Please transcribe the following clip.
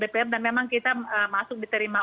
dpr dan memang kita masuk diterima